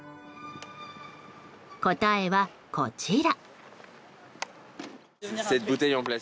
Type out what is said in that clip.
答えは、こちら。